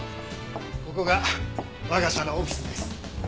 ここが我が社のオフィスです。